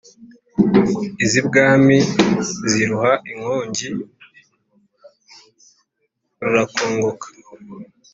iz'ibwami ziruha inkongi rurakongoka;